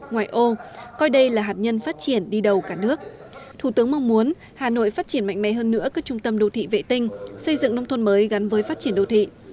ngoài ô coi đây là hạt nhân phát triển đi đầu cả nước thủ tướng mong muốn hà nội phát triển mạnh mẽ hơn nữa các trung tâm đô thị vệ tinh xây dựng nông thôn mới gắn với phát triển đô thị